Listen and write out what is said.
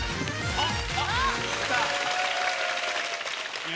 あっ！